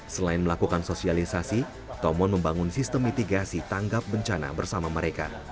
selain melakukan sosialisasi tomon membangun sistem mitigasi tanggap bencana bersama mereka